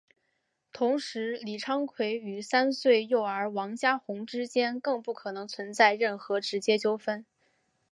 同时李昌奎与三岁幼儿王家红之间更不可能存在任何直接纠纷。